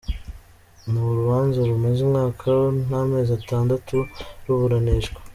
Ni urubanza rumaze umwaka n’amezi atandatu ruburanishwa.